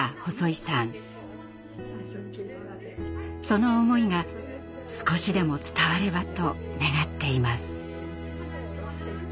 その思いが少しでも伝わればと願っています。